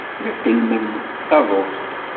La tellmen taḍuft.